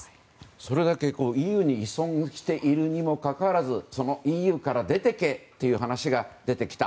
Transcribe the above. それだけＥＵに依存しているにもかかわらずＥＵから出て行けという話が出てきた。